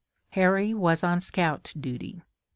Harry was on scout duty.